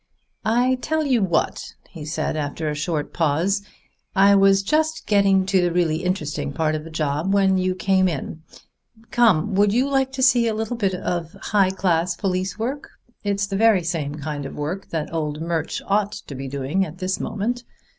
"I tell you what," he said after a short pause, "I was just getting to the really interesting part of the job when you came in. Come: would you like to see a little bit of high class police work? It's the very same kind of work that old Murch ought to be doing at this moment.